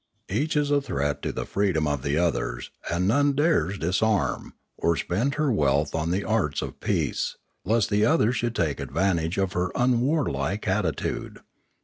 Each is a threat to the freedom of the others, and none dares disarm, or spend her wealth on the arts of peace, lest the others should take advantage of her unwarlike attitude.